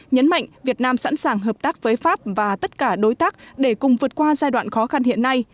nhấn mạnh việt nam sẵn sàng hợp tác với pháp và tất cả đối tác để cùng vượt qua giai đoạn khó khăn hiện nay